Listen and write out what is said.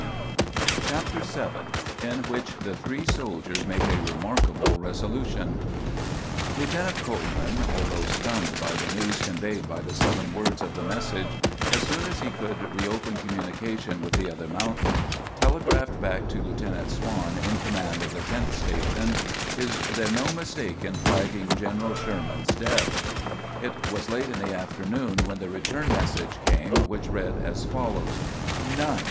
_" CHAPTER VII IN WHICH THE THREE SOLDIERS MAKE A REMARKABLE RESOLUTION Lieutenant Coleman, although stunned by the news conveyed by the seven words of the message, as soon as he could reopen communication with the other mountain, telegraphed back to Lieutenant Swann, in command of the tenth station: "Is there no mistake in flagging General Sherman's death?" It was late in the afternoon when the return message came, which read as follows: "None.